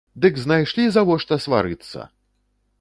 Дык знайшлі завошта сварыцца!